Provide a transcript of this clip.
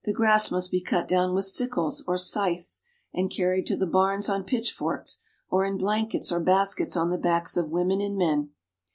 grass must be cut down with sickles or scythes, and carried to the barns on pitchforks or in blankets or baskets on the backs of women and men.